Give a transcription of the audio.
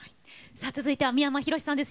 続いては三山ひろしさんです。